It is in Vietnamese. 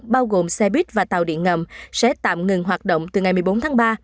bao gồm xe buýt và tàu điện ngầm sẽ tạm ngừng hoạt động từ ngày một mươi bốn tháng ba